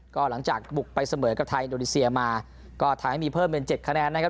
ก็หลังจากบุกไปเสมอกับไทยอินโดนีเซียมาก็ทำให้มีเพิ่มเป็น๗คะแนนนะครับ